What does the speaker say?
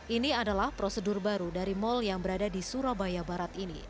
ini adalah prosedur baru dari mal yang berada di surabaya barat ini